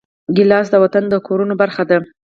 ګیلاس د وطن د کورونو برخه ده.